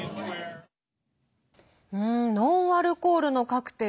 ノンアルコールのカクテル